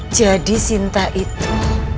jadi sinta itu